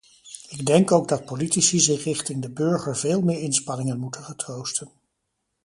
Ik denk ook dat politici zich richting de burger veel meer inspanningen moeten getroosten.